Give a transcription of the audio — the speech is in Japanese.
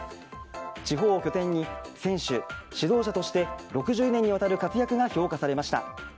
地方を拠点に選手・指導者として６０年にわたる活躍が評価されました。